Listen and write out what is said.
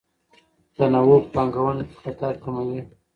تنوع په پانګونه کې خطر کموي.